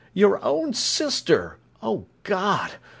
Your own sister! O God!